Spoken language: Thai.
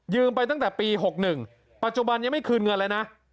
ไปตั้งแต่ปี๖๑ปัจจุบันยังไม่คืนเงินเลยนะ